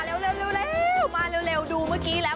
เร็วเร็วเร็วเร็วมาเร็วเร็วดูเมื่อกี้แล้ว